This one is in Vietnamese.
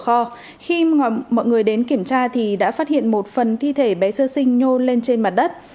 trên cửa kho khi mọi người đến kiểm tra thì đã phát hiện một phần thi thể bé sơ sinh nhô lên trên mặt đất